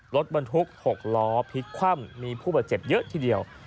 รถบรรทุก๖ล้อพลิกคว่ำมีผู้บาดเจ็บเยอะทีเดียว